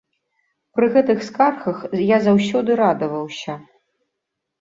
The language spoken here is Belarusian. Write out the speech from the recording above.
Пры гэтых скаргах я заўсёды радаваўся.